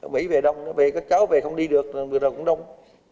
mỹ về đông các cháu về không đi được bữa nào cũng đông